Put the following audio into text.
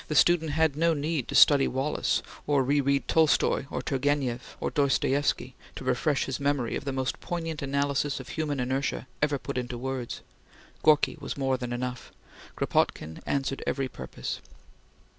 The student had no need to study Wallace, or re read Tolstoy or Tourguenieff or Dostoiewski to refresh his memory of the most poignant analysis of human inertia ever put in words; Gorky was more than enough: Kropotkin answered every purpose.